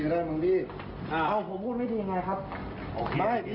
แล้วทำงานอะไรพี่พี่ทำงานอะไร